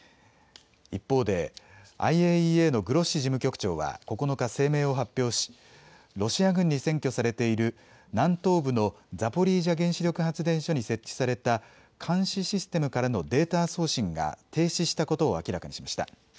一方でＩＡＥＡのグロッシ事務局長は９日、声明を発表しロシア軍に占拠されている南東部のザポリージャ原子力発電所に設置された監視システムからのデータ送信が停止したことを明らかにしました。